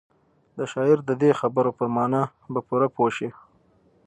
د شاعر د دې خبرو پر مانا به پوره پوه شئ.